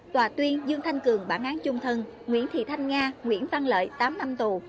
tòa tuyên dương thanh cường bản án chung thân nguyễn thị thanh nga nguyễn văn lợi tám năm tù